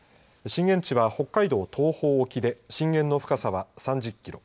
震源地は北海道東方沖で震源の深さは３０キロ。